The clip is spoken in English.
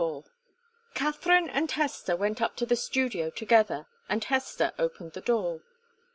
Katharine and Hester went up to the studio together, and Hester opened the door.